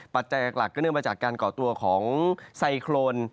ปัจจัยหลักก็เนื่องมาจากการก่อตัวของไซโครน